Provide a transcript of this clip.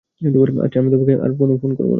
আচ্ছা, আমি তোমাকে আর ফোন করবো না।